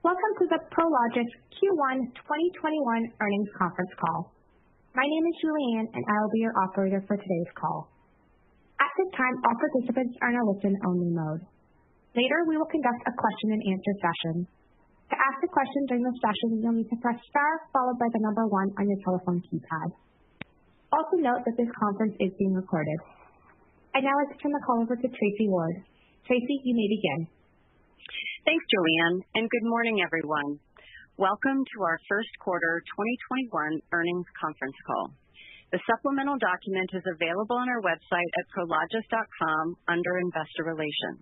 Welcome to the Prologis Q1 2021 earnings conference call. My name is Julianne, and I will be your operator for today's call. At this time, all participants are in a listen only mode. Later, we will conduct a question-and-answer session. To ask a question during the session, you'll need to press star followed by the number one on your telephone keypad. Also note that this conference is being recorded. I'd now like to turn the call over to Tracy Ward. Tracy, you may begin. Thanks, Julianne. Good morning, everyone. Welcome to our first quarter 2021 earnings conference call. The supplemental document is available on our website at prologis.com under Investor Relations.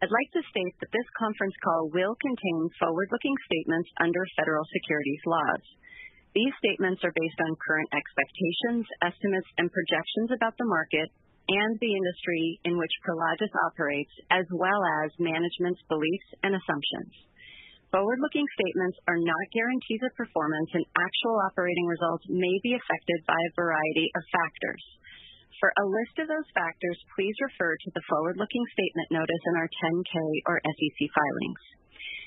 I'd like to state that this conference call will contain forward-looking statements under federal securities laws. These statements are based on current expectations, estimates, and projections about the market and the industry in which Prologis operates, as well as management's beliefs and assumptions. Forward-looking statements are not guarantees of performance, and actual operating results may be affected by a variety of factors. For a list of those factors, please refer to the forward-looking statement notice in our 10-K or SEC filings.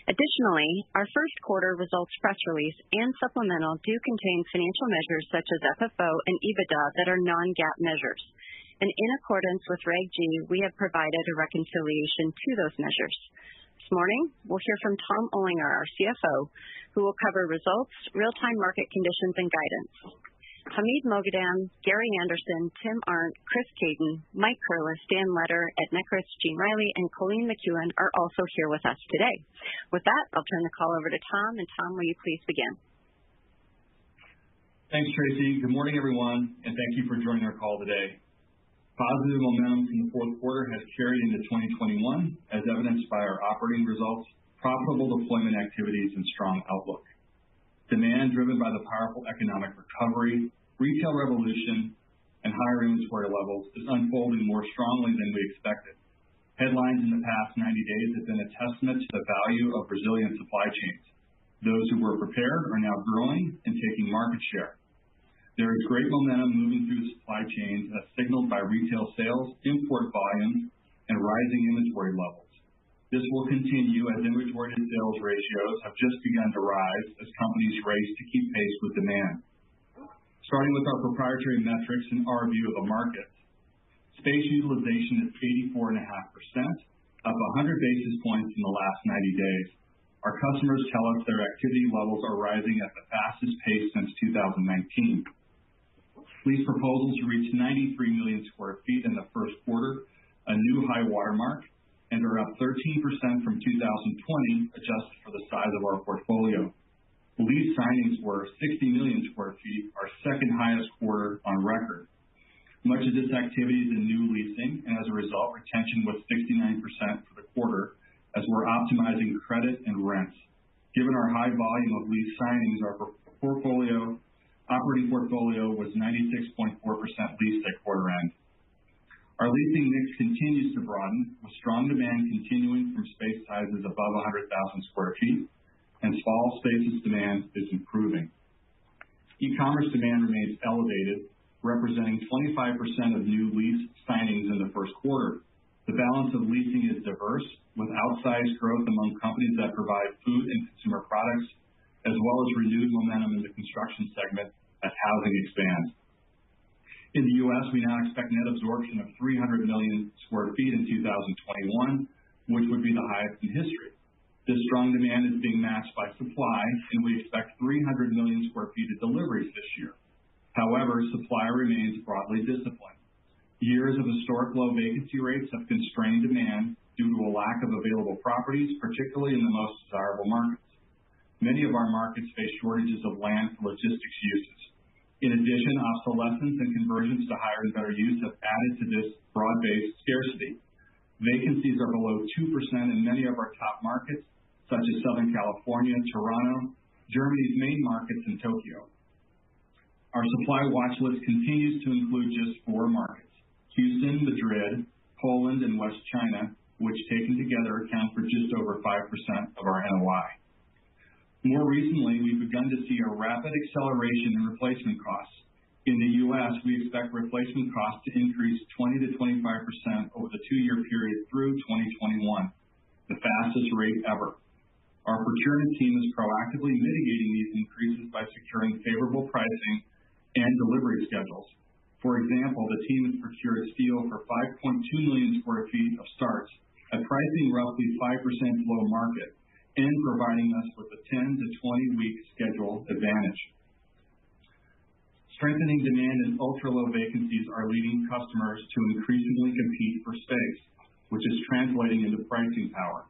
Additionally, our first quarter results press release and supplemental do contain financial measures such as FFO and EBITDA that are non-GAAP measures. In accordance with Reg G, we have provided a reconciliation to those measures. This morning, we'll hear from Tom Olinger, our CFO, who will cover results, real-time market conditions, and guidance. Hamid Moghadam, Gary Anderson, Tim Arndt, Chris Caton, Mike Curless, Dan Letter, Ed Nekritz, Gene Reilly, and Colleen McKeown are also here with us today. With that, I'll turn the call over to Tom, and Tom, will you please begin? Thanks, Tracy. Good morning, everyone. Thank you for joining our call today. Positive momentum from the fourth quarter has carried into 2021, as evidenced by our operating results, profitable deployment activities, and strong outlook. Demand driven by the powerful economic recovery, retail revolution, and higher inventory levels is unfolding more strongly than we expected. Headlines in the past 90 days have been a testament to the value of resilient supply chains. Those who were prepared are now growing and taking market share. There is great momentum moving through the supply chains as signaled by retail sales, import volume, and rising inventory levels. This will continue as inventory to sales ratios have just begun to rise as companies race to keep pace with demand. Starting with our proprietary metrics and our view of the market. Space utilization is 84.5%, up 100 basis points in the last 90 days. Our customers tell us their activity levels are rising at the fastest pace since 2019. Lease proposals reached 93 million square feet in the first quarter, a new high watermark, and are up 13% from 2020, adjusted for the size of our portfolio. Lease signings were 60 million square feet, our second highest quarter on record. Much of this activity is in new leasing, as a result, retention was 69% for the quarter as we're optimizing credit and rents. Given our high volume of lease signings, our operating portfolio was 96.4% leased at quarter-end. Our leasing mix continues to broaden, with strong demand continuing from space sizes above 100,000 sq ft and small spaces demand is improving. E-commerce demand remains elevated, representing 25% of new lease signings in the first quarter. The balance of leasing is diverse, with outsized growth among companies that provide food and consumer products, as well as renewed momentum in the construction segment as housing expands. In the U.S., we now expect net absorption of 300 million square feet in 2021, which would be the highest in history. This strong demand is being matched by supply. We expect 300 million square feet of deliveries this year. However, supply remains broadly disciplined. Years of historic low vacancy rates have constrained demand due to a lack of available properties, particularly in the most desirable markets. Many of our markets face shortages of land for logistics uses. In addition, obsolescence and conversions to higher and better use have added to this broad-based scarcity. Vacancies are below 2% in many of our top markets, such as Southern California, Toronto, Germany's main markets, and Tokyo. Our supply watchlist continues to include just four markets, Houston, Madrid, Poland, and West China, which taken together, account for just over 5% of our NOI. More recently, we've begun to see a rapid acceleration in replacement costs. In the U.S., we expect replacement costs to increase 20%-25% over the two-year period through 2021, the fastest rate ever. Our procurement team is proactively mitigating these increases by securing favorable pricing and delivery schedules. For example, the team has procured steel for 5.2 million square feet of starts at pricing roughly 5% below market and providing us with a 10-20-week schedule advantage. Strengthening demand and ultra-low vacancies are leading customers to increasingly compete for space, which is translating into pricing power.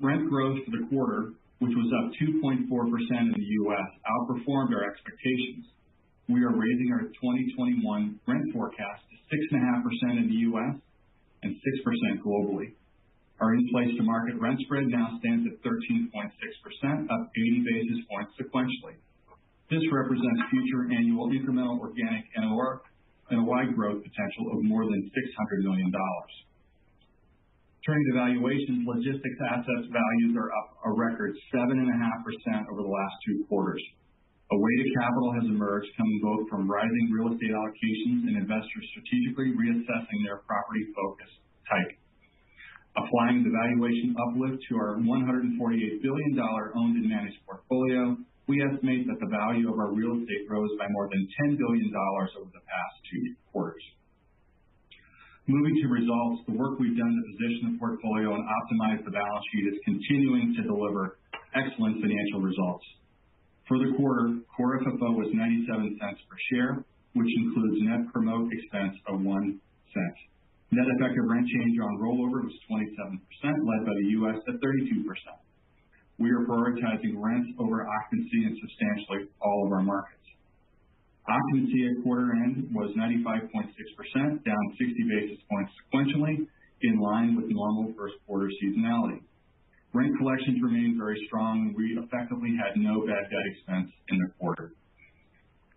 Rent growth for the quarter, which was up 2.4% in the U.S., outperformed our expectations. We are raising our 2021 rent forecast to 6.5% in the U.S. and 6% globally. Our in-place to market rent spread now stands at 13.6%, up 80 basis points sequentially. This represents future annual incremental organic NOI growth potential of more than $600 million. Turning to valuations, logistics assets values are up a record 7.5% over the last two quarters. A wave of capital has emerged coming both from rising real estate allocations and investors strategically reassessing their property focus type. Applying the valuation uplift to our $148 billion owned and managed portfolio, we estimate that the value of our real estate rose by more than $10 billion over the past two quarters. Moving to results, the work we've done to position the portfolio and optimize the balance sheet is continuing to deliver excellent financial results. For the quarter, core FFO was $0.97 per share, which includes net promote expense of $0.01. Net effective rent change on rollover was 27%, led by the U.S. at 32%. We are prioritizing rent over occupancy in substantially all of our markets. Occupancy at quarter-end was 95.6%, down 60 basis points sequentially, in line with normal first quarter seasonality. Rent collections remained very strong. We effectively had no bad debt expense in the quarter.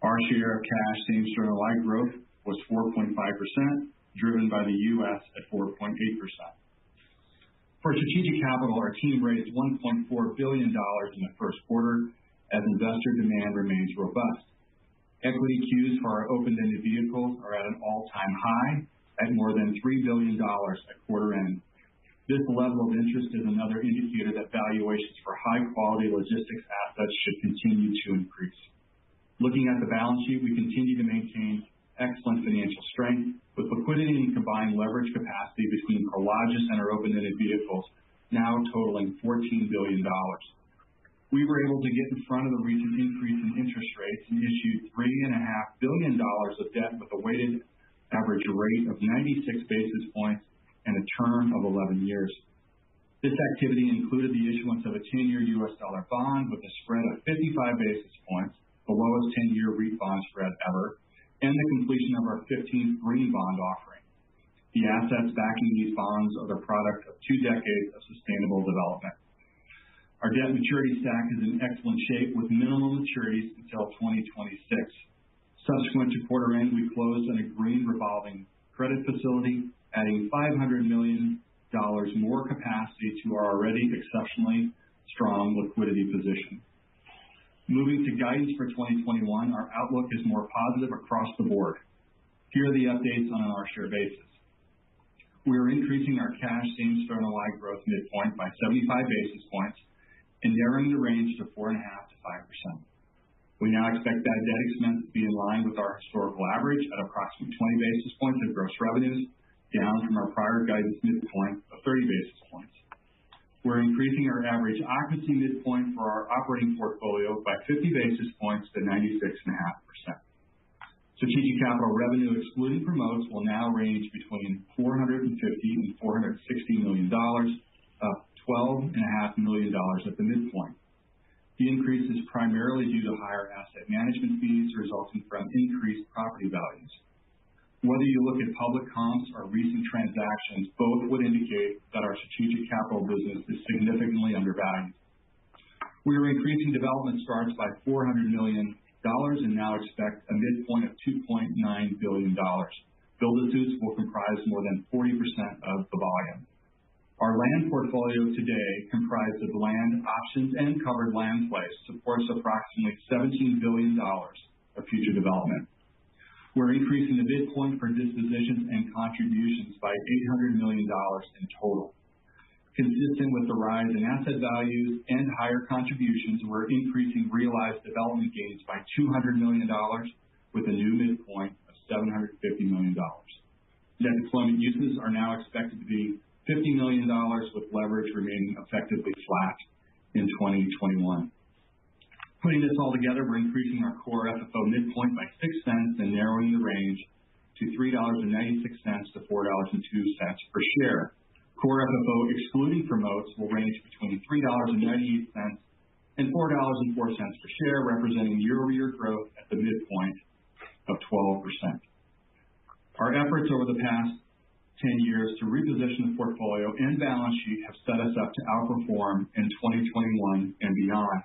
Our share of cash same store NOI growth was 4.5%, driven by the U.S. at 4.8%. For strategic capital, our team raised $1.4 billion in the first quarter, as investor demand remains robust. Equity queues for our open-ended vehicles are at an all time high at more than $3 billion at quarter end. This level of interest is another indicator that valuations for high quality logistics assets should continue to increase. Looking at the balance sheet, we continue to maintain excellent financial strength with liquidity and combined leverage capacity between Prologis and our open-ended vehicles now totaling $14 billion. We were able to get in front of the recent increase in interest rates and issued $3.5 billion of debt with a weighted average rate of 96 basis points and a term of 11 years. This activity included the issuance of a 10-year U.S. dollar bond with a spread of 55 basis points, the lowest 10-year refi bond spread ever, and the completion of our 15th green bond offering. The assets backing these bonds are the product of two decades of sustainable development. Our debt maturity stack is in excellent shape with minimal maturities until 2026. Subsequent to quarter end, we closed on a green revolving credit facility, adding $500 million more capacity to our already exceptionally strong liquidity position. Moving to guidance for 2021, our outlook is more positive across the board. Here are the updates on a cash basis. We are increasing our cash same store NOI growth midpoint by 75 basis points and narrowing the range to 4.5%-5%. We now expect bad debt expense to be in line with our historical average at approximately 20 basis points of gross revenues, down from our prior guidance midpoint of 30 basis points. We're increasing our average occupancy midpoint for our operating portfolio by 50 basis points to 96.5%. Strategic capital revenue excluding promotes will now range between $450 million-$460 million, up $12.5 million at the midpoint. The increase is primarily due to higher asset management fees resulting from increased property values. Whether you look at public comps or recent transactions, both would indicate that our strategic capital business is significantly undervalued. We are increasing development starts by $400 million and now expect a midpoint of $2.9 billion. build-to-suits will comprise more than 40% of the volume. Our land portfolio today, comprised of land options and covered land plays, supports approximately $17 billion of future development. We're increasing the midpoint for dispositions and contributions by $800 million in total. Consistent with the rise in asset values and higher contributions, we're increasing realized development gains by $200 million with a new midpoint of $750 million. Debt deployment uses are now expected to be $50 million with leverage remaining effectively flat in 2021. Putting this all together, we're increasing our core FFO midpoint by $0.06 and narrowing the range to $3.96-$4.02 per share. Core FFO excluding promotes will range between $3.98 and $4.04 per share, representing year-over-year growth at the midpoint of 12%. Our efforts over the past 10 years to reposition the portfolio and balance sheet have set us up to outperform in 2021 and beyond.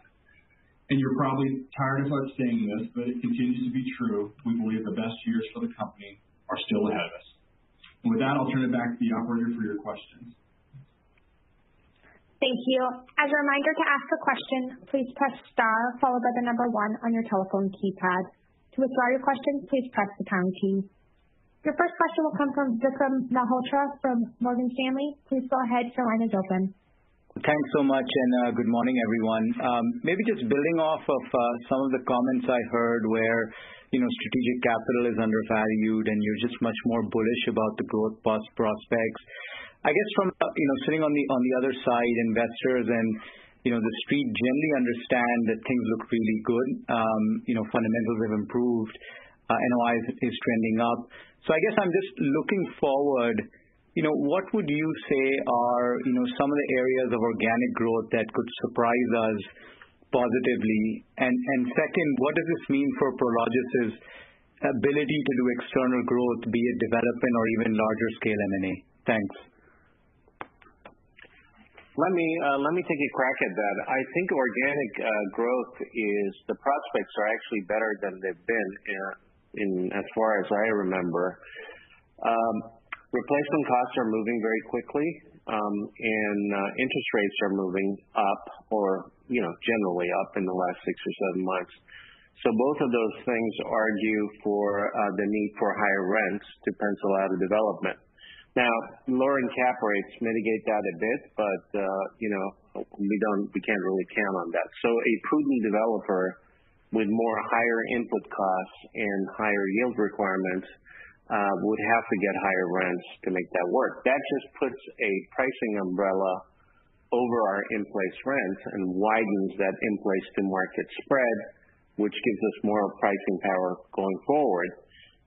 You're probably tired of us saying this, but it continues to be true, we believe the best years for the company are still ahead of us. With that, I'll turn it back to the operator for your questions. Thank you. As a reminder, to ask a question, please press star followed by the number one on your telephone keypad. To withdraw your question, please press the pound key. Your first question will come from Vikram Malhotra from Morgan Stanley. Please go ahead. Your line is open. Thanks so much. Good morning, everyone. Maybe just building off of some of the comments I heard where strategic capital is undervalued and you're just much more bullish about the growth prospects. I guess from sitting on the other side, investors and the Street generally understand that things look really good. Fundamentals have improved. NOI is trending up. I guess I'm just looking forward, what would you say are some of the areas of organic growth that could surprise us positively? Second, what does this mean for Prologis' ability to do external growth, be it development or even larger scale M&A? Thanks. Let me take a crack at that. I think organic growth is the prospects are actually better than they've been in as far as I remember. Replacement costs are moving very quickly. Interest rates are moving up, or generally up in the last six or seven months. Both of those things argue for the need for higher rents to pencil out a development. Now, lower cap rates mitigate that a bit. We can't really count on that. A prudent developer with more higher input costs and higher yield requirements would have to get higher rents to make that work. That just puts a pricing umbrella over our in-place rents and widens that in-place to market spread, which gives us more pricing power going forward.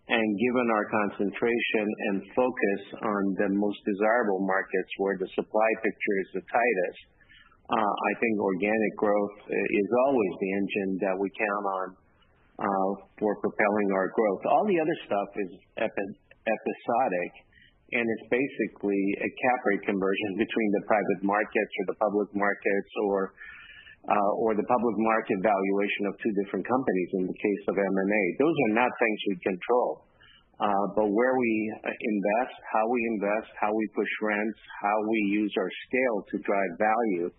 Given our concentration and focus on the most desirable markets where the supply picture is the tightest, I think organic growth is always the engine that we count on for propelling our growth. All the other stuff is episodic, it's basically a cap rate conversion between the private markets or the public markets or the public market valuation of two different companies, in the case of M&A. Those are not things we control. Where we invest, how we invest, how we push rents, how we use our scale to drive value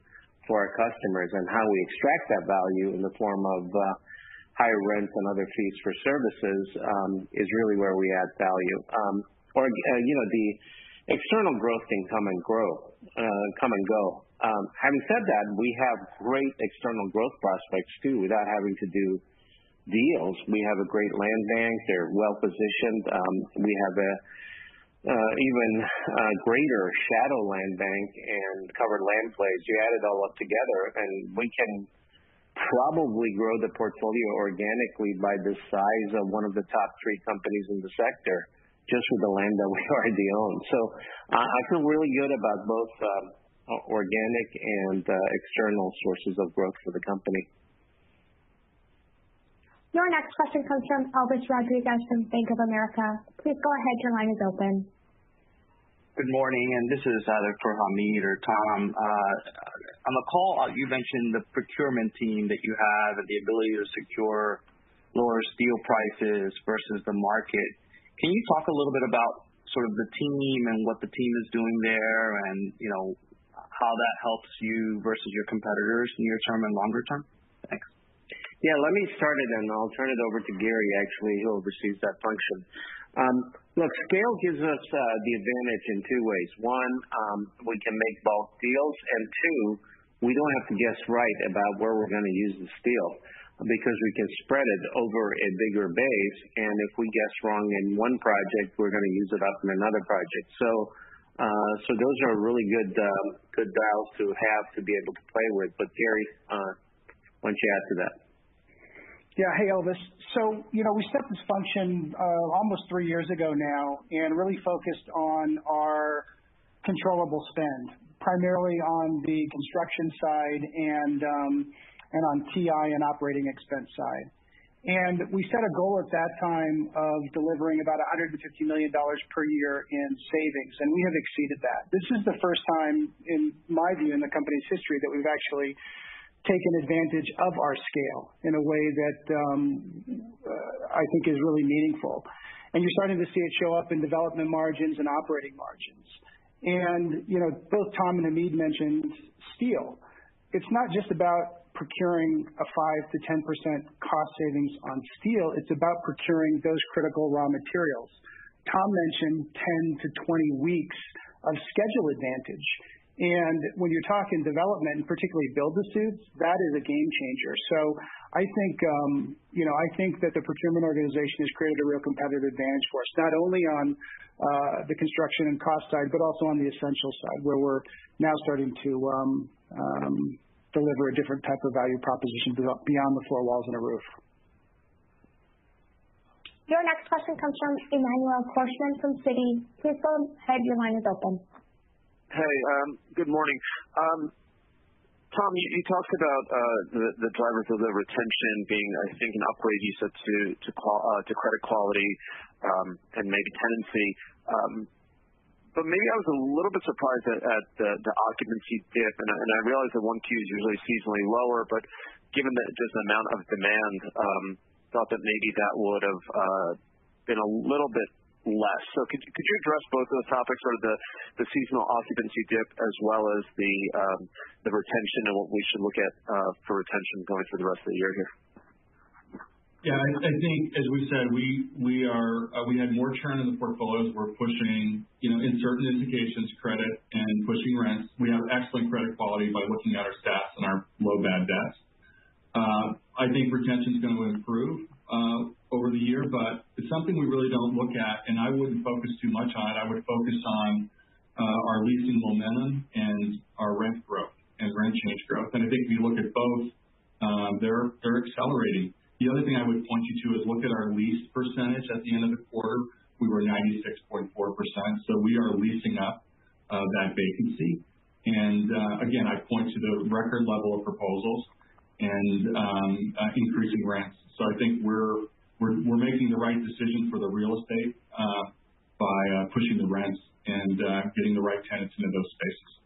for our customers, and how we extract that value in the form of higher rents and other fees for services, is really where we add value. The external growth can come and go. Having said that, we have great external growth prospects, too, without having to do deals. We have a great land bank. They're well-positioned. We have an even greater shadow land bank and covered land plays. You add it all up together. We can probably grow the portfolio organically by the size of one of the top three companies in the sector, just with the land that we already own. I feel really good about both organic and external sources of growth for the company. Your next question comes from Elvis Rodriguez from Bank of America. Please go ahead, your line is open. Good morning. This is either for Hamid or Tom. On the call, you mentioned the procurement team that you have and the ability to secure lower steel prices versus the market. Can you talk a little bit about sort of the team and what the team is doing there, and how that helps you versus your competitors near-term and longer term? Thanks. Let me start it and then I'll turn it over to Gary. Actually, he oversees that function. Look, scale gives us the advantage in two ways. One, we can make bulk deals, and two, we don't have to guess right about where we're going to use the steel because we can spread it over a bigger base, and if we guess wrong in one project, we're going to use it up in another project. Those are really good dials to have to be able to play with. Gary, why don't you add to that? Yeah. Hey, Elvis. We set this function almost three years ago now and really focused on our controllable spend, primarily on the construction side and on TI and operating expense side. We set a goal at that time of delivering about $150 million per year in savings, and we have exceeded that. This is the first time, in my view, in the company's history, that we've actually taken advantage of our scale in a way that I think is really meaningful. You're starting to see it show up in development margins and operating margins. Both Tom and Hamid mentioned steel. It's not just about procuring a 5%-10% cost savings on steel, it's about procuring those critical raw materials. Tom mentioned 10-20 weeks of schedule advantage, and when you're talking development, and particularly build-to-suits, that is a game changer. I think that the procurement organization has created a real competitive advantage for us, not only on the construction and cost side, but also on the Essentials side, where we're now starting to deliver a different type of value proposition beyond the four walls and a roof. Your next question comes from Emmanuel Korchman from Citi. Please go ahead, your line is open. Hey, good morning. Tom, you talked about the drivers of the retention being, I think, an upgrade, you said, to credit quality and maybe tenancy. Maybe I was a little bit surprised at the occupancy dip, and I realize the 1Q is usually seasonally lower, but given just the amount of demand, thought that maybe that would've been a little bit less. Could you address both of those topics, sort of the seasonal occupancy dip as well as the retention and what we should look at for retention going through the rest of the year here? Yeah, I think, as we said, we had more churn in the portfolios. We're pushing, in certain indications, credit and pushing rents. We have excellent credit quality by looking at our stats and our low bad debts. I think retention's going to improve over the year, but it's something we really don't look at and I wouldn't focus too much on. I would focus on our leasing momentum and our rent growth and rent change growth. I think if you look at both, they're accelerating. The other thing I would point you to is look at our lease percentage at the end of the quarter. We were 96.4%, so we are leasing up that vacancy. Again, I point to the record level of proposals and increasing rents. I think we're making the right decision for the real estate by pushing the rents and getting the right tenants into those spaces.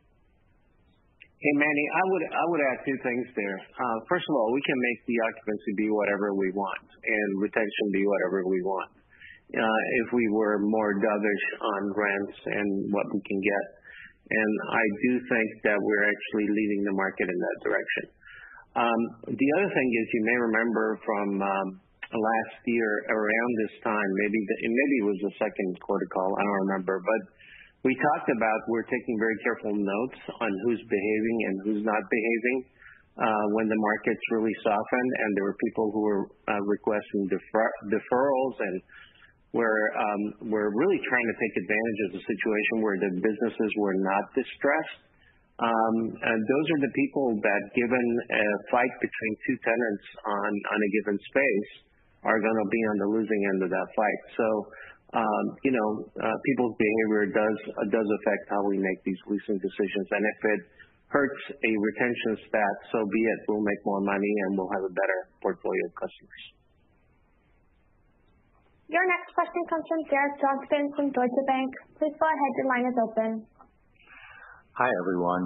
Hey, Manny, I would add two things there. First of all, we can make the occupancy be whatever we want and retention be whatever we want if we were more dovish on rents and what we can get. I do think that we're actually leading the market in that direction. The other thing is, you may remember from last year around this time, maybe it was the second quarter call, I don't remember. We talked about we're taking very careful notes on who's behaving and who's not behaving when the markets really softened, and there were people who were requesting deferrals and were really trying to take advantage of the situation where the businesses were not distressed. Those are the people that, given a fight between two tenants on a given space, are going to be on the losing end of that fight. People's behavior does affect how we make these leasing decisions. If it hurts a retention stat, so be it. We'll make more money, and we'll have a better portfolio of customers. Your next question comes from Derek Johnston from Deutsche Bank. Please go ahead. Your line is open. Hi, everyone.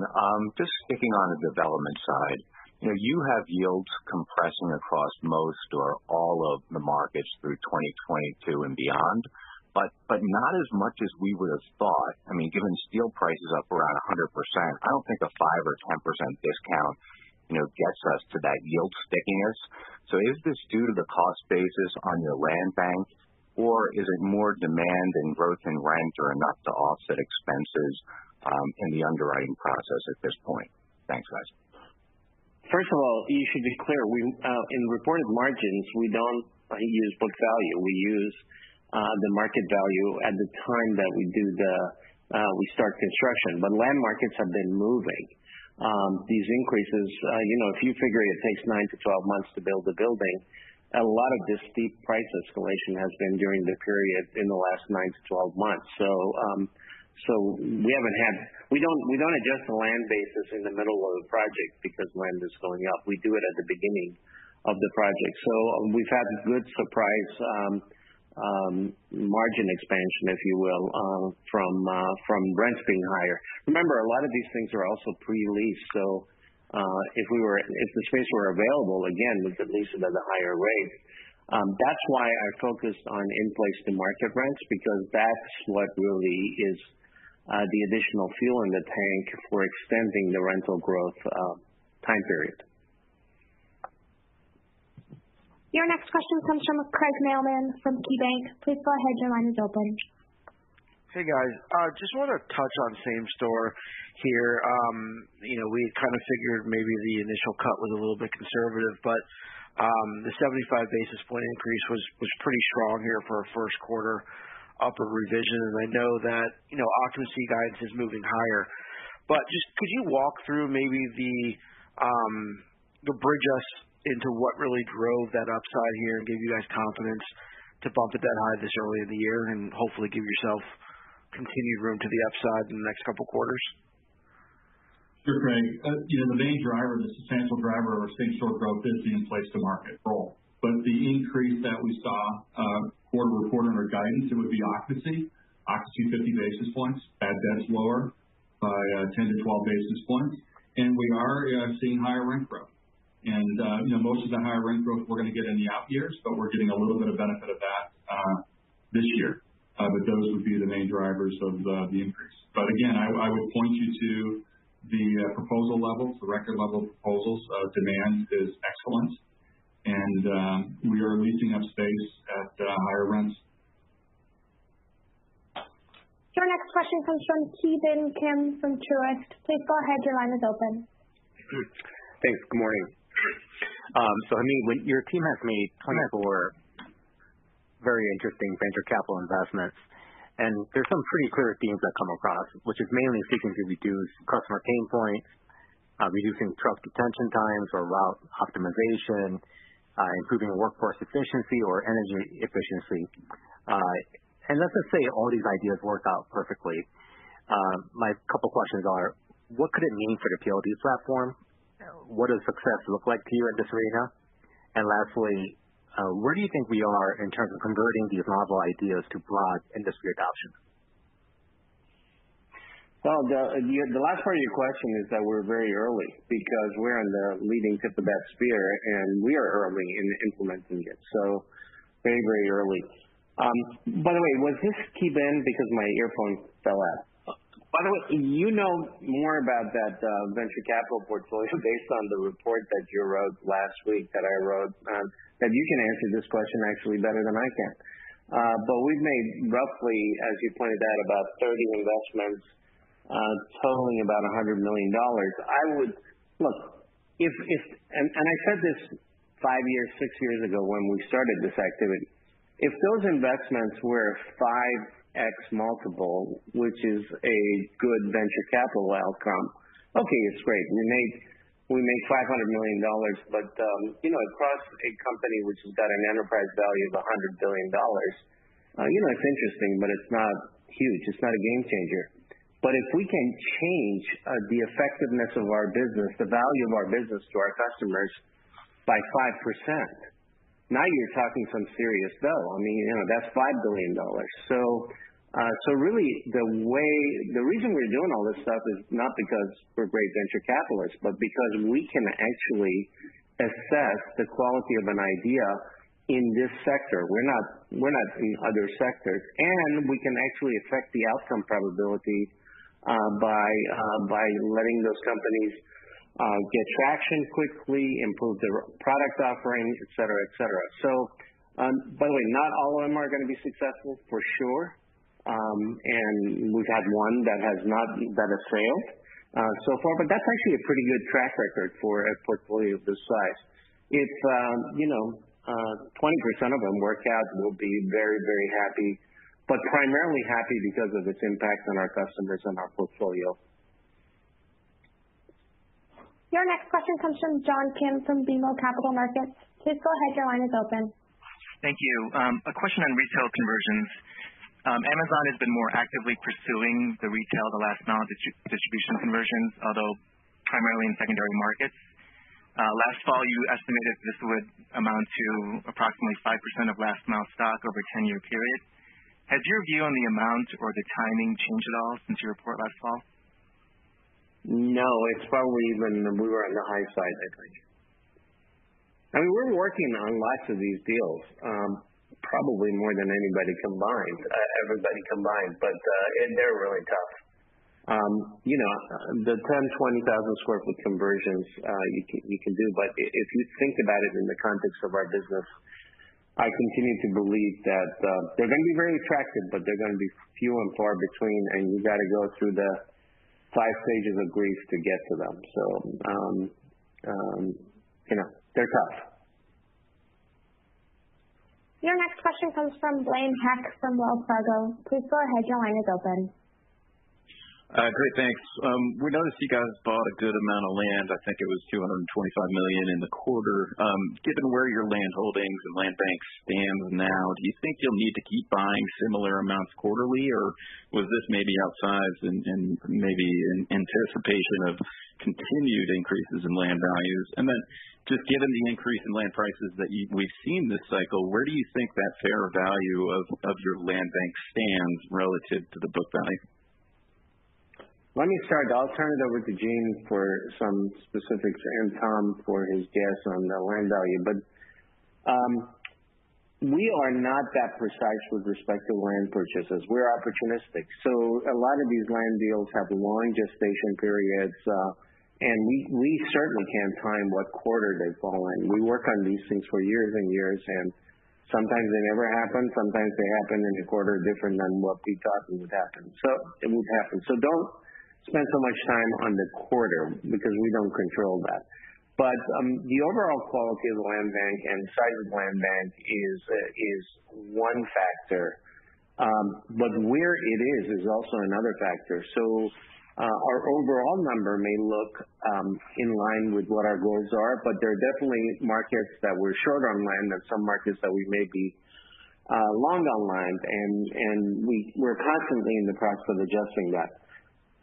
Just sticking on the development side. You have yields compressing across most or all of the markets through 2022 and beyond, but not as much as we would have thought. Given steel prices up around 100%, I don't think a 5% or 10% discount gets us to that yield stickiness. Is this due to the cost basis on your land bank, or is it more demand and growth in rents are enough to offset expenses in the underwriting process at this point? Thanks, guys. First of all, you should be clear. In reported margins, we don't use book value. We use the market value at the time that we start construction. Land markets have been moving. These increases, if you figure it takes 9-12 months to build a building, a lot of this steep price escalation has been during the period in the last 9-12 months. We don't adjust the land basis in the middle of the project because land is going up. We do it at the beginning of the project. We've had good surprise margin expansion, if you will, from rents being higher. Remember, a lot of these things are also pre-leased. If the space were available, again, we could lease it at a higher rate. That's why I focused on in-place-to-market rents because that's what really is the additional fuel in the tank for extending the rental growth time period. Your next question comes from Craig Mailman from KeyBanc. Please go ahead. Your line is open. Hey, guys. Just want to touch on same store here. We kind of figured maybe the initial cut was a little bit conservative, but the 75 basis points increase was pretty strong here for a first quarter upper revision. I know that occupancy guidance is moving higher. Just could you walk through maybe bridge us into what really drove that upside here and gave you guys confidence to bump it that high this early in the year and hopefully give yourself continued room to the upside in the next couple quarters? Sure, Craig. The main driver, the substantial driver of our same-store growth is the in-place-to-market role. The increase that we saw quarter-over-quarter in our guidance, it would be occupancy 50 basis points, bad debts lower by 10-12 basis points. We are seeing higher rent growth. Most of the higher rent growth we're going to get in the out years, but we're getting a little bit of benefit of that this year. Those would be the main drivers of the increase. Again, I would point you to the proposal levels, the record level proposals. Demand is excellent, and we are leasing up space at higher rents. Your next question comes from Ki Bin Kim from Truist. Please go ahead. Your line is open. Thanks. Good morning. Hamid, your team has made 24 very interesting venture capital investments, there's some pretty clear themes I've come across, which is mainly seeking to reduce customer pain points, reducing truck detention times or route optimization, improving the workforce efficiency or energy efficiency. Let's just say all these ideas work out perfectly. My couple questions are, what could it mean for the PLD platform? What does success look like to you in this arena? Lastly, where do you think we are in terms of converting these novel ideas to broad industry adoption? Well, the last part of your question is that we're very early because we're in the leading tip of that spear, and we are early in implementing it. Very early. Was this Ki Bin? Because my earphones fell out. You know more about that venture capital portfolio based on the report that you wrote last week that I read, that you can answer this question actually better than I can. We've made roughly, as you pointed out, about 30 investments totaling about $100 million. I said this five years, six years ago when we started this activity. If those investments were 5x multiple, which is a good venture capital outcome, okay, it's great. We made $500 million. Across a company which has got an enterprise value of $100 billion, it's interesting, but it's not huge. It's not a game changer. If we can change the effectiveness of our business, the value of our business to our customers by 5%. Now you're talking some serious dough. That's $5 billion. Really, the reason we're doing all this stuff is not because we're great venture capitalists, but because we can actually assess the quality of an idea in this sector. We're not in other sectors, and we can actually affect the outcome probability by letting those companies get traction quickly, improve their product offering, et cetera. By the way, not all of them are going to be successful, for sure. We've had one that has failed so far, but that's actually a pretty good track record for a portfolio of this size. If 20% of them work out, we'll be very happy, but primarily happy because of its impact on our customers and our portfolio. Your next question comes from John Kim from BMO Capital Markets. Please go ahead, your line is open. Thank you. A question on retail conversions. Amazon has been more actively pursuing the retail, the last mile distribution conversions, although primarily in secondary markets. Last fall, you estimated this would amount to approximately 5% of last mile stock over a 10-year period. Has your view on the amount or the timing changed at all since your report last fall? No, it's probably even we were on the high side, I think. We're working on lots of these deals, probably more than everybody combined, and they're really tough. The 10,000 sq ft, 20,000 sq ft conversions you can do. If you think about it in the context of our business, I continue to believe that they're going to be very attractive, but they're going to be few and far between, and you got to go through the five stages of grief to get to them. They're tough. Your next question comes from Blaine Heck from Wells Fargo. Please go ahead, your line is open. Great, thanks. We noticed you guys bought a good amount of land. I think it was $225 million in the quarter. Given where your land holdings and land bank stands now, do you think you'll need to keep buying similar amounts quarterly? Or was this maybe outsized and maybe in anticipation of continued increases in land values? Just given the increase in land prices that we've seen this cycle, where do you think that fair value of your land bank stands relative to the book value? Let me start. I'll turn it over to Gene for some specifics and Tom for his guess on the land value. We are not that precise with respect to land purchases. We're opportunistic. A lot of these land deals have long gestation periods, and we certainly can't time what quarter they fall in. We work on these things for years and years, and sometimes they never happen. Sometimes they happen in a quarter different than what we thought would happen. It will happen. Don't spend so much time on the quarter because we don't control that. The overall quality of the land bank and size of land bank is one factor. Where it is also another factor. Our overall number may look in line with what our goals are, but there are definitely markets that we're short on land and some markets that we may be long on land. We're constantly in the process of adjusting that.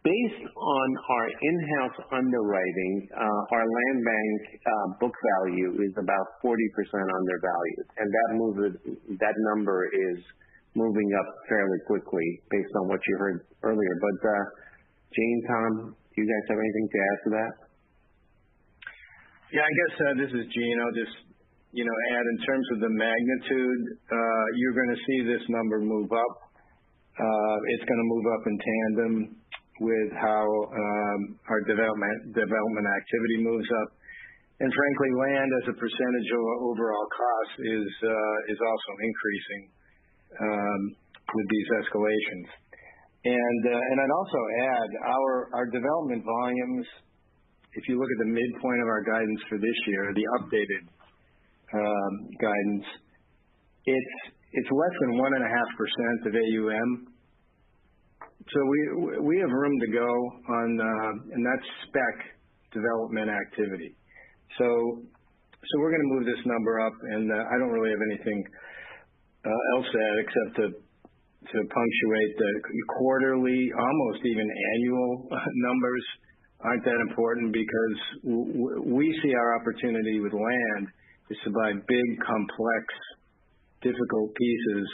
Based on our in-house underwriting, our land bank book value is about 40% of their value, and that number is moving up fairly quickly based on what you heard earlier. Gene, Tom, do you guys have anything to add to that? Yeah, I guess this is Gene. I'll just add in terms of the magnitude, you're going to see this number move up. It's going to move up in tandem with how our development activity moves up. Frankly, land as a percentage of overall cost is also increasing with these escalations. I'd also add our development volumes, if you look at the midpoint of our guidance for this year, the updated guidance, it's less than 1.5% of AUM. We have room to go on, and that's spec development activity. I don't really have anything else to add except to punctuate the quarterly, almost even annual numbers aren't that important because we see our opportunity with land is to buy big, complex, difficult pieces,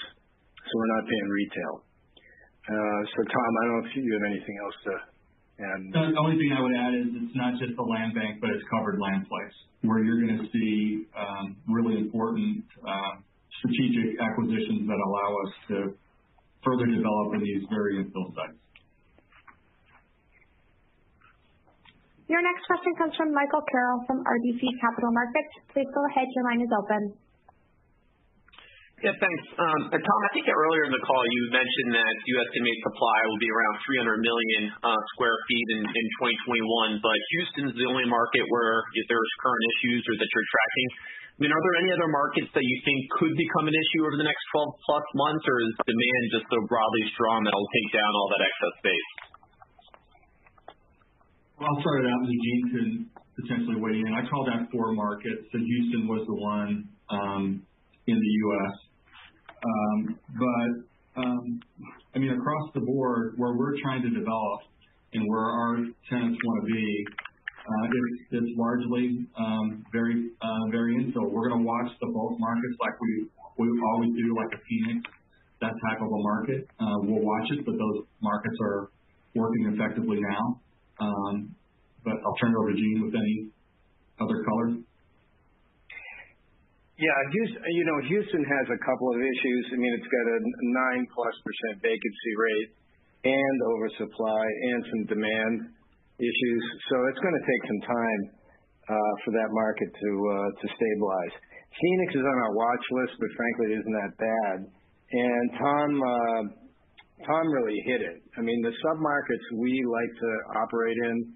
so we're not paying retail. Tom, I don't know if you have anything else to add. The only thing I would add is it's not just the land bank, but it's covered land plays where you're going to see really important strategic acquisitions that allow us to further develop in these very infill sites. Your next question comes from Michael Carroll from RBC Capital Markets. Please go ahead, your line is open. Yes, thanks. Tom, I think earlier in the call you mentioned that you estimate supply will be around 300 million square feet in 2021. Houston is the only market where there's current issues or that you're tracking. Are there any other markets that you think could become an issue over the next 12+ months? Is demand just so broadly strong that it'll take down all that excess space? I'll start it out and then Gene can potentially weigh in. I call that four markets, and Houston was the one in the U.S. Across the board, where we're trying to develop and where our tenants want to be, it's largely very infill. We're going to watch the bulk markets like we always do, like a Phoenix, that type of a market. We'll watch it, those markets are working effectively now. I'll turn it over to Gene with any other color. Yeah. Houston has a couple of issues. It's got a 9%+ vacancy rate and oversupply and some demand issues. It's going to take some time for that market to stabilize. Phoenix is on our watch list, but frankly, isn't that bad. Tom really hit it. The sub-markets we like to operate in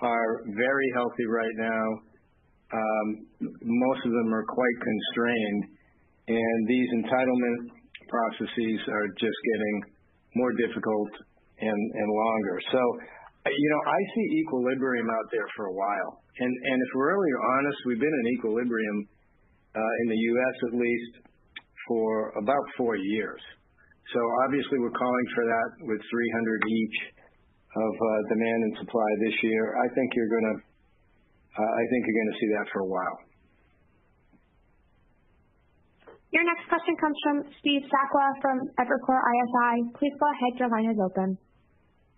are very healthy right now. Most of them are quite constrained, and these entitlement processes are just getting more difficult and longer. I see equilibrium out there for a while. If we're really honest, we've been in equilibrium, in the U.S. at least, for about four years. Obviously we're calling for that with 300 each of demand and supply this year. I think you're going to see that for a while. Your next question comes from Steve Sakwa from Evercore ISI.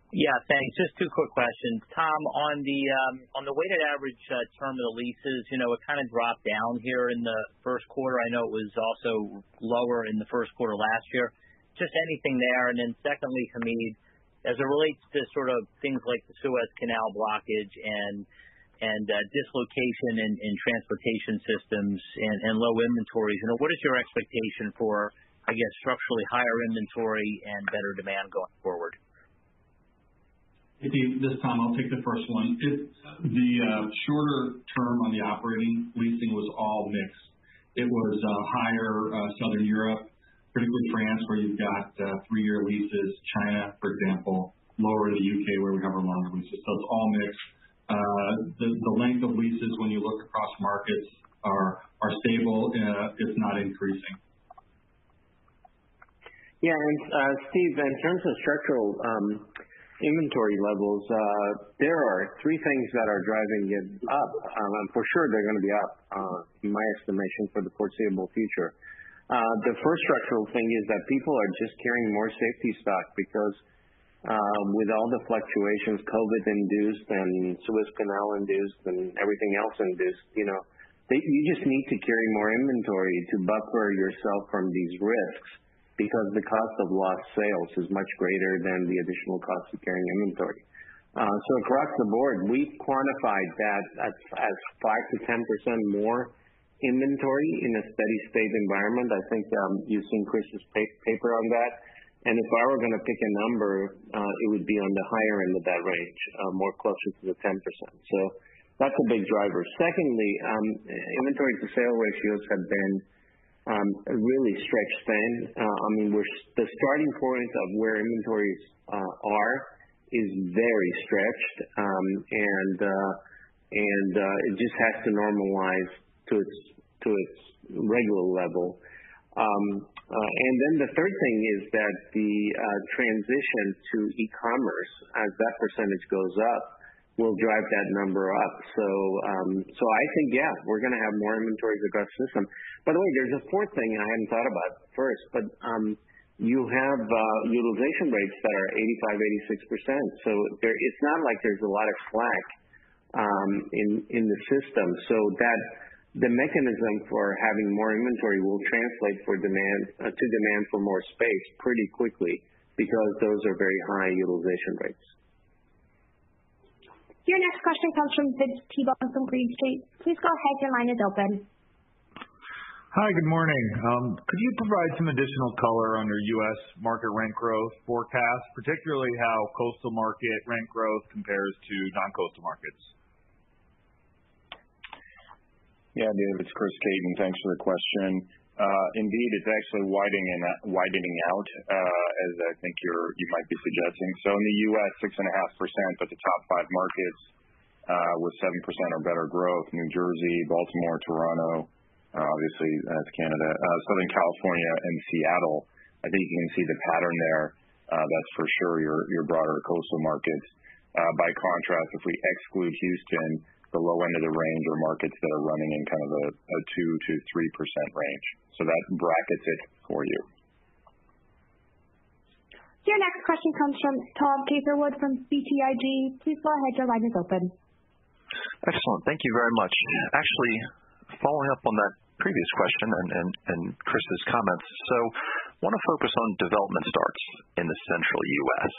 Yeah, thanks. Just two quick questions. Tom, on the weighted average terminal leases, it kind of dropped down here in the first quarter. I know it was also lower in the first quarter last year. Just anything there. Then secondly, Hamid, as it relates to sort of things like the Suez Canal blockage and dislocation in transportation systems and low inventories, what is your expectation for, I guess, structurally higher inventory and better demand going forward? Hey, Steve. This is Tom. I'll take the first one. The shorter term on the operating leasing was all mixed. It was higher Southern Europe, particularly France, where you've got three-year leases. China, for example. Lower in the U.K., where we have our long leases. It's all mixed. The length of leases, when you look across markets, are stable. It's not increasing. Yeah. Steve, in terms of structural inventory levels, there are three things that are driving it up. For sure they're going to be up, in my estimation, for the foreseeable future. The first structural thing is that people are just carrying more safety stock because with all the fluctuations, COVID induced and Suez Canal induced and everything else induced, you just need to carry more inventory to buffer yourself from these risks because the cost of lost sales is much greater than the additional cost of carrying inventory. Across the board, we've quantified that as 5%-10% more inventory in a steady state environment. I think you've seen Chris's paper on that. If I were going to pick a number, it would be on the higher end of that range, more closer to the 10%. That's a big driver. Secondly, inventory to sale ratios have been a really stretched thing. The starting point of where inventories are is very stretched. It just has to normalize to its regular level. The third thing is that the transition to e-commerce, as that percentage goes up, will drive that number up. I think, yeah, we're going to have more inventories across the system. By the way, there's a fourth thing I hadn't thought about first, but you have utilization rates that are 85%, 86%. It's not like there's a lot of slack in the system. The mechanism for having more inventory will translate to demand for more space pretty quickly because those are very high utilization rates. Your next question comes from Vince Tibone from Green Street. Please go ahead. Your line is open. Hi. Good morning. Could you provide some additional color on your U.S. market rent growth forecast, particularly how coastal market rent growth compares to non-coastal markets? Vince, it's Chris Caton, thanks for the question. Indeed, it's actually widening out, as I think you might be suggesting. In the U.S., 6.5% at the top five markets, with 7% or better growth. New Jersey, Baltimore, Toronto, obviously that's Canada, Southern California, and Seattle. I think you can see the pattern there. That's for sure your broader coastal markets. By contrast, if we exclude Houston, the low end of the range are markets that are running in kind of a 2%-3% range. That brackets it for you. Your next question comes from Tom Catherwood from BTIG. Please go ahead. Your line is open. Excellent. Thank you very much. Actually, following up on that previous question and Chris's comments. Want to focus on development starts in the central U.S.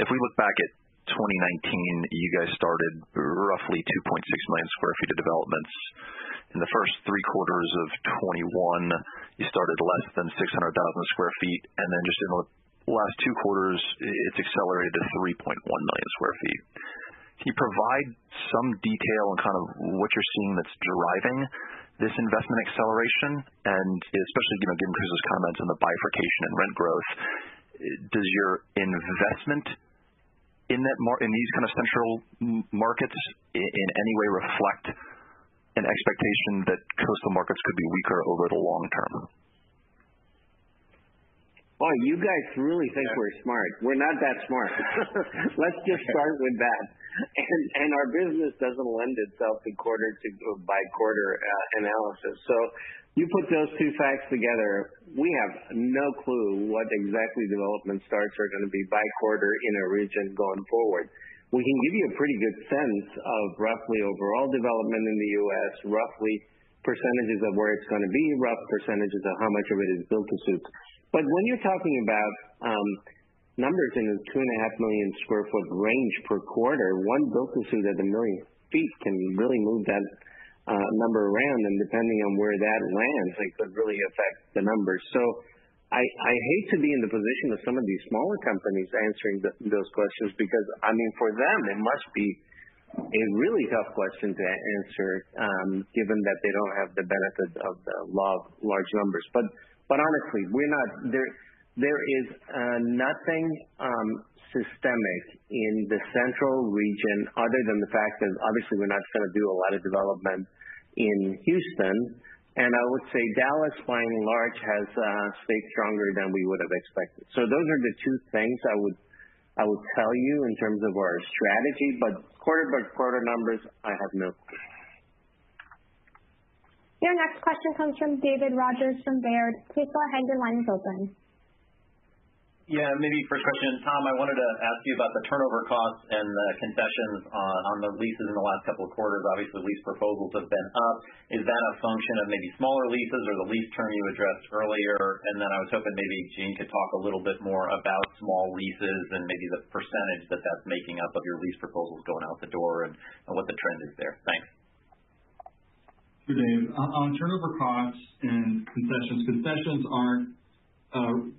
If we look back at 2019, you guys started roughly 2.6 million square feet of developments. In the first three quarters of 2021, you started less than 600,000 sq ft. Just in the last two quarters, it's accelerated to 3.1 million square feet. Can you provide some detail on kind of what you're seeing that's driving this investment acceleration? Especially given Chris's comments on the bifurcation in rent growth, does your investment In these kind of central markets, in any way reflect an expectation that coastal markets could be weaker over the long-term? Boy, you guys really think we're smart. We're not that smart. Let's just start with that. Our business doesn't lend itself to quarter-by-quarter analysis. You put those two facts together, we have no clue what exactly development starts are going to be by quarter in a region going forward. We can give you a pretty good sense of roughly overall development in the U.S., roughly percentages of where it's going to be, rough percentages of how much of it is build-to-suits. When you're talking about numbers in the 2.5 Million square foot range per quarter, one build-to-suit at a million feet can really move that number around. Depending on where that lands, it could really affect the numbers. I hate to be in the position of some of these smaller companies answering those questions because, I mean, for them, it must be a really tough question to answer given that they don't have the benefit of the large numbers. Honestly, there is nothing systemic in the central region other than the fact that obviously we're not going to do a lot of development in Houston. I would say Dallas, by and large, has stayed stronger than we would've expected. Those are the two things I would tell you in terms of our strategy, but quarter-by-quarter numbers, I have no clue. Your next question comes from David Rodgers from Baird. Please go ahead, your line is open. Yeah, maybe for a question, Tom, I wanted to ask you about the turnover costs and the concessions on the leases in the last couple of quarters. Obviously, lease proposals have been up. Is that a function of maybe smaller leases or the lease term you addressed earlier? And then I was hoping maybe Gene could talk a little bit more about small leases and maybe the percentage that that's making up of your lease proposals going out the door and what the trend is there. Thanks. Sure, Dave. On turnover costs and concessions aren't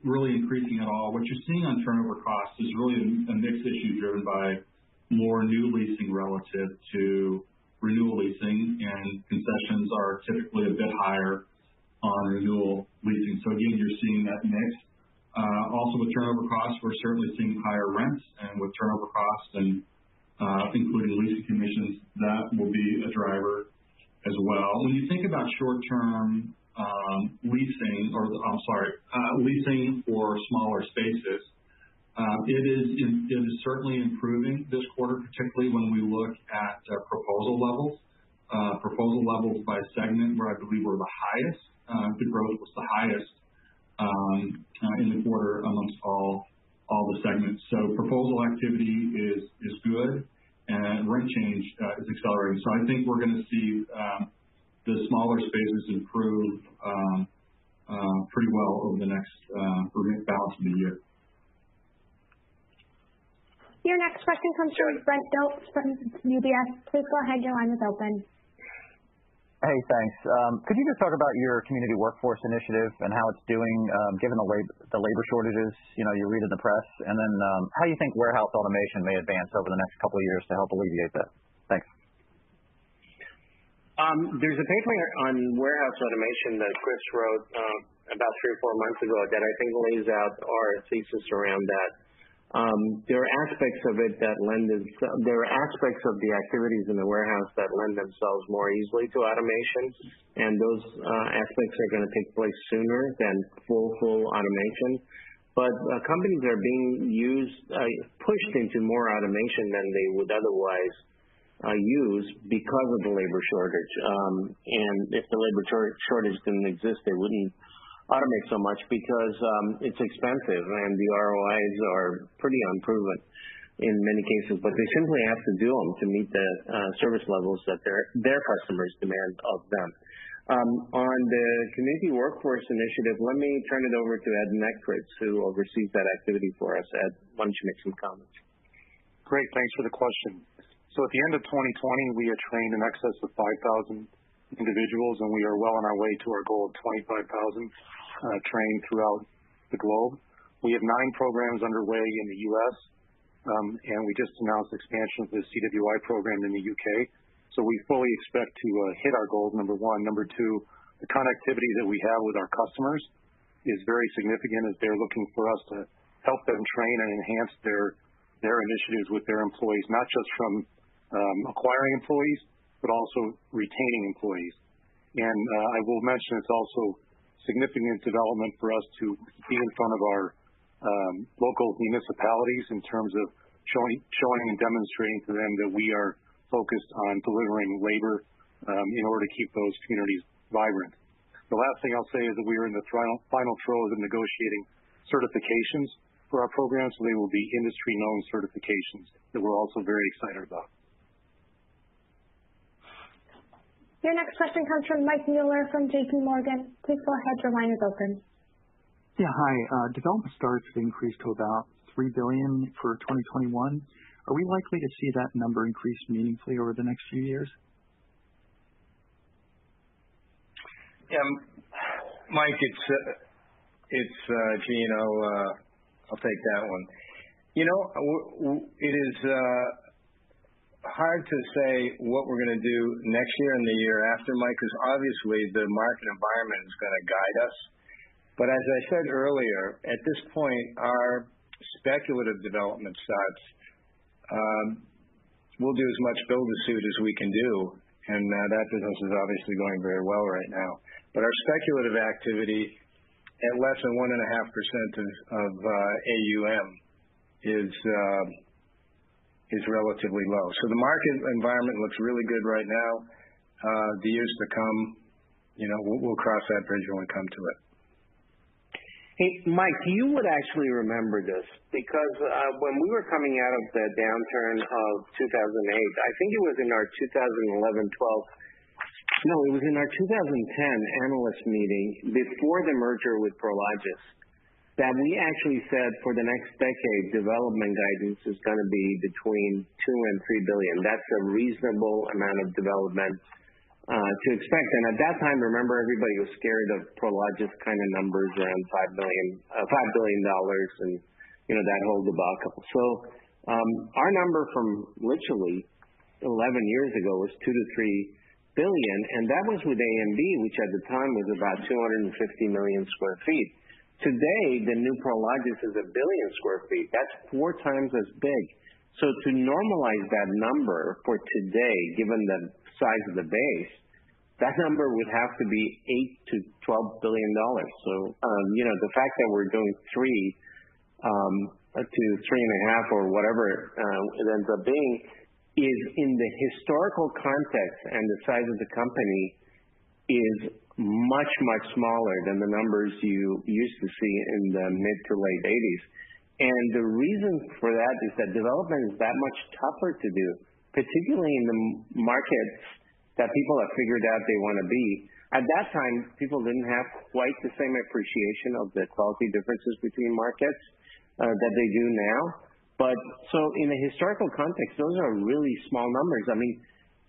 really increasing at all. What you're seeing on turnover costs is really a mixed issue driven by more new leasing relative to renewal leasing, and concessions are typically a bit higher on renewal leasing. Again, you're seeing that mix. Also with turnover costs, we're certainly seeing higher rents. With turnover costs and including leasing commissions, that will be a driver as well. When you think about short-term leasing or, I'm sorry leasing for smaller spaces, it is certainly improving this quarter, particularly when we look at proposal levels. Proposal levels by segment where I believe we're the highest. Good growth was the highest in the quarter amongst all the segments. Proposal activity is good and rent change is accelerating. I think we're going to see the smaller spaces improve pretty well over the next balance of the year. Your next question comes from Brent Dilts from UBS. Please go ahead, your line is open. Hey, thanks. Could you just talk about your Community Workforce Initiative and how it's doing given the labor shortages you read in the press? How you think warehouse automation may advance over the next couple of years to help alleviate that. Thanks. There's a paper on warehouse automation that Chris wrote about three or four months ago that I think lays out our thesis around that. There are aspects of the activities in the warehouse that lend themselves more easily to automation, and those aspects are going to take place sooner than full automation. Companies are being pushed into more automation than they would otherwise use because of the labor shortage. If the labor shortage didn't exist, they wouldn't automate so much because it's expensive and the ROIs are pretty unproven in many cases, but they simply have to do them to meet the service levels that their customers demand of them. On the Community Workforce Initiative, let me turn it over to Ed Nekritz, who oversees that activity for us, Ed, why don't you make some comments. Great. Thanks for the question. At the end of 2020, we had trained in excess of 5,000 individuals, and we are well on our way to our goal of 25,000 trained throughout the globe. We have nine programs underway in the U.S., and we just announced expansion of the CWI program in the U.K. We fully expect to hit our goals, number one. Number two, the connectivity that we have with our customers is very significant as they're looking for us to help them train and enhance their initiatives with their employees, not just from acquiring employees, but also retaining employees. I will mention it's also a significant development for us to be in front of our local municipalities in terms of showing and demonstrating to them that we are focused on delivering labor in order to keep those communities vibrant. The last thing I'll say is that we are in the final throes of negotiating certifications for our programs. They will be industry-known certifications that we're also very excited about. Your next question comes from Mike Mueller from JPMorgan. Please go ahead, your line is open. Yeah, hi. Development starts increased to about $3 billion for 2021. Are we likely to see that number increase meaningfully over the next few years? Mike, it's Gene. I'll take that one. It is. Hard to say what we're going to do next year and the year after, Mike, because obviously the market environment is going to guide us. As I said earlier, at this point, our speculative development starts. We'll do as much build-to-suit as we can do, and that business is obviously going very well right now. Our speculative activity at less than 1.5% of AUM is relatively low. The market environment looks really good right now. The years to come, we'll cross that bridge when we come to it. Hey, Mike, you would actually remember this because when we were coming out of the downturn of 2008, I think it was in our 2011-2012. It was in our 2010 analyst meeting before the merger with Prologis, that we actually said for the next decade, development guidance is going to be between $2 billion-$3 billion. That's a reasonable amount of development to expect. At that time, remember, everybody was scared of Prologis kind of numbers around $5 billion and that whole debacle. Our number from literally 11 years ago was $2 billion-$3 billion, and that was with AMB, which at the time was about 250 million square feet. Today, the new Prologis is 1 billion square feet. That's 4x as big. To normalize that number for today, given the size of the base, that number would have to be $8 billion-$12 billion. The fact that we're doing $3 billion-$3.5 billion or whatever it ends up being is in the historical context and the size of the company is much, much smaller than the numbers you used to see in the mid-to-late 1980s. The reason for that is that development is that much tougher to do, particularly in the markets that people have figured out they want to be. At that time, people didn't have quite the same appreciation of the quality differences between markets that they do now. In a historical context, those are really small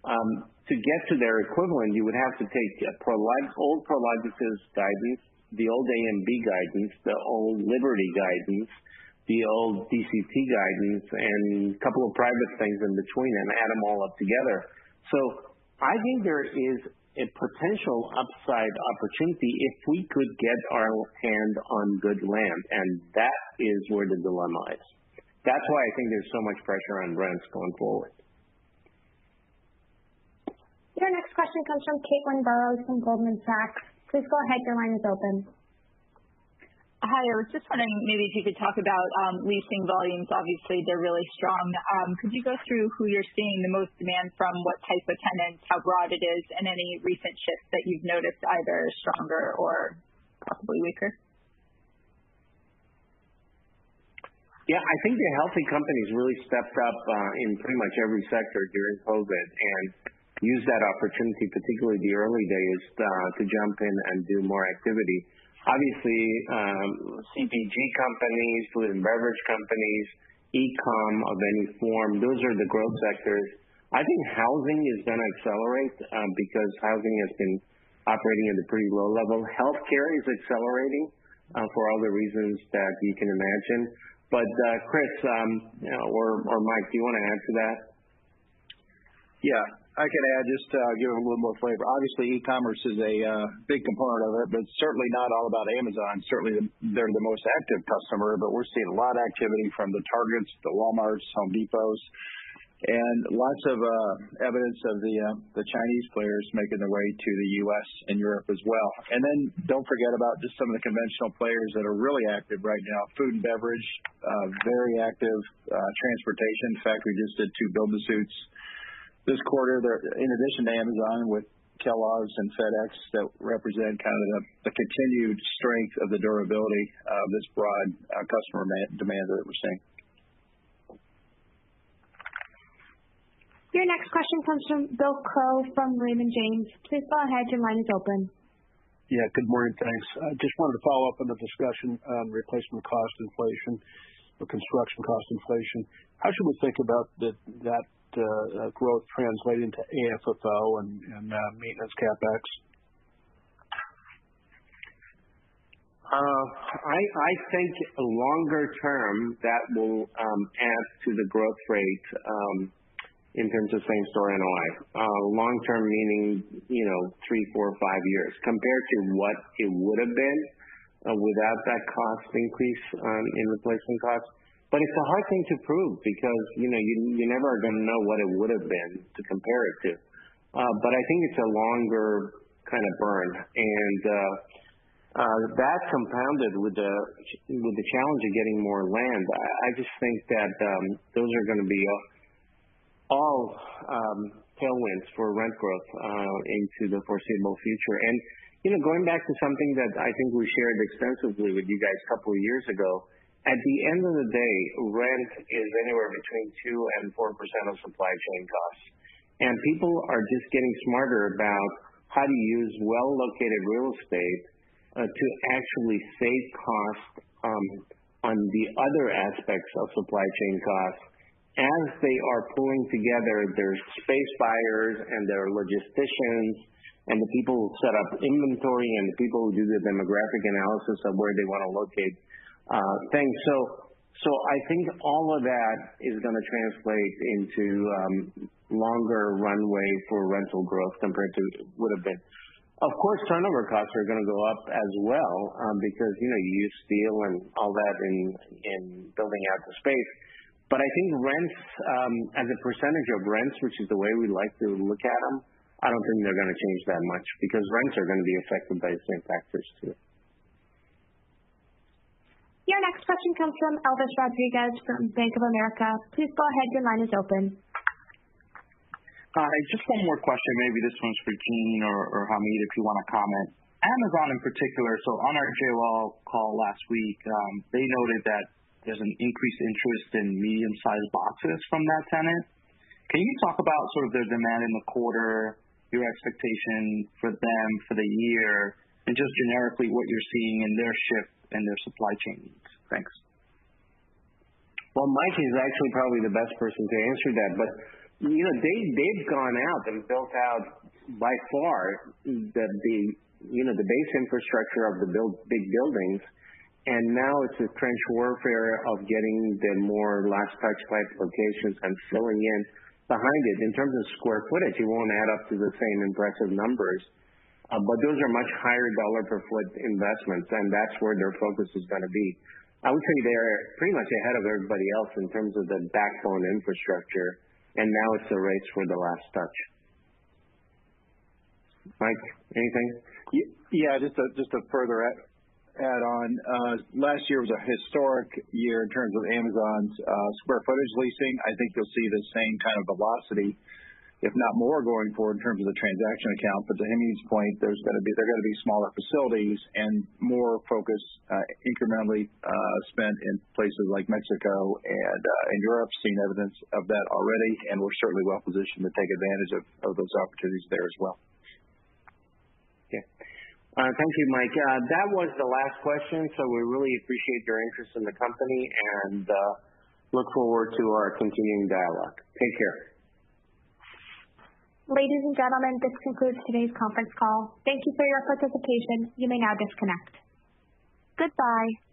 numbers. To get to their equivalent, you would have to take old Prologis' guidance, the old AMB guidance, the old Liberty guidance, the old DCT guidance, and a couple of private things in between and add them all up together. I think there is a potential upside opportunity if we could get our hand on good land, and that is where the dilemma lies. That's why I think there's so much pressure on rents going forward. Your next question comes from Caitlin Burrows from Goldman Sachs. Please go ahead. Your line is open. Hi. I was just wondering maybe if you could talk about leasing volumes. Obviously, they're really strong. Could you go through who you're seeing the most demand from, what type of tenants, how broad it is, and any recent shifts that you've noticed, either stronger or possibly weaker? Yeah, I think the healthy companies really stepped up in pretty much every sector during COVID and used that opportunity, particularly in the early days, to jump in and do more activity. Obviously, CPG companies, food and beverage companies, e-com of any form, those are the growth sectors. I think housing is going to accelerate because housing has been operating at a pretty low level. Healthcare is accelerating for all the reasons that you can imagine. Chris, or Mike, do you want to add to that? Yeah, I could add just to give it a little more flavor. Obviously, e-commerce is a big component of it, but it's certainly not all about Amazon. Certainly, they're the most active customer, but we're seeing a lot of activity from the Targets, the Walmarts, Home Depots, and lots of evidence of the Chinese players making their way to the U.S. and Europe as well. Don't forget about just some of the conventional players that are really active right now. Food and beverage, very active. Transportation. In fact, we just did two build-to-suits this quarter in addition to Amazon with Kellogg's and FedEx. That represent kind of the continued strength of the durability of this broad customer demand that we're seeing. Your next question comes from Bill Crow from Raymond James. Please go ahead. Your line is open. Yeah, good morning. Thanks. I just wanted to follow up on the discussion on replacement cost inflation or construction cost inflation. How should we think about that growth translating to AFFO and maintenance CapEx? I think longer-term, that will add to the growth rate in terms of same store NOI. Long-term meaning three, four, five years compared to what it would have been without that cost increase in replacement costs. It's a hard thing to prove because you never are going to know what it would have been to compare it to. I think it's a longer kind of burn. That compounded with the challenge of getting more land. I just think that those are going to be all tailwinds for rent growth into the foreseeable future. Going back to something that I think we shared extensively with you guys a couple of years ago. At the end of the day, rent is anywhere between 2% and 4% of supply chain costs. People are just getting smarter about how to use well-located real estate to actually save costs on the other aspects of supply chain costs as they are pulling together their space buyers and their logisticians and the people who set up inventory and the people who do the demographic analysis of where they want to locate things. I think all of that is going to translate into longer runway for rental growth compared to would've been. Of course, turnover costs are going to go up as well, because you use steel and all that in building out the space. I think as a percentage of rents, which is the way we like to look at them, I don't think they're going to change that much because rents are going to be affected by the same factors too. Your next question comes from Elvis Rodriguez from Bank of America. Please go ahead, your line is open. Hi. Just one more question. Maybe this one's for Gene or Hamid, if you want to comment. Amazon in particular. On our JLL call last week, they noted that there's an increased interest in medium-sized boxes from that tenant. Can you talk about sort of their demand in the quarter, your expectation for them for the year, and just generically what you're seeing in their shift and their supply chain needs? Thanks. Well, Mike is actually probably the best person to answer that. They've gone out and built out by far the base infrastructure of the big buildings. Now it's a trench warfare of getting the more last touch point locations and filling in behind it. In terms of square footage, it won't add up to the same impressive numbers. Those are much higher dollar per foot investments, and that's where their focus is going to be. I would say they are pretty much ahead of everybody else in terms of the backbone infrastructure, and now it's a race for the last touch. Mike, anything? Yeah, just a further add-on. Last year was a historic year in terms of Amazon's square footage leasing. I think you'll see the same kind of velocity, if not more, going forward in terms of the transaction count. To Hamid's point, they're going to be smaller facilities and more focus incrementally spent in places like Mexico and in Europe. We've seen evidence of that already, and we're certainly well-positioned to take advantage of those opportunities there as well. Yeah. Thank you, Mike. That was the last question. We really appreciate your interest in the company and look forward to our continuing dialogue. Take care. Ladies and gentlemen, this concludes today's conference call. Thank you for your participation. You may now disconnect. Goodbye.